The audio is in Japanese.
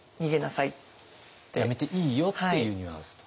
やめていいよっていうニュアンスとか。